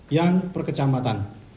yang per kecamatan